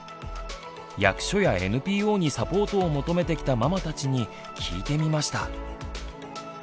役所やＮＰＯにサポートを求めてきたママたちに聞いてみました。